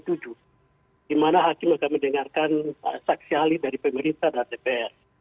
di mana hakimah kami dengarkan saksi hali dari pemerintah dan dpr